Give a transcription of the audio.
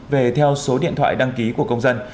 về theo số điện thoại đăng ký của công dân